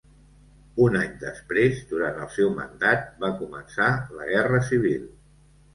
Un any després, durant el seu mandat, va començar la Guerra Civil.